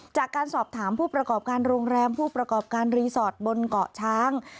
จากการสอบถามผู้ประกอบการโรงแรมผู้ประกอบการรีสอร์ทบนเกาะช้าง